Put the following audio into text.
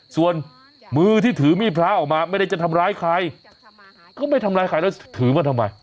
ส่วนมือที่ถือมีดพระออกมาไม่ได้จะทำร้ายใครเขาไม่ทำร้ายใครแล้วถือมาทำไม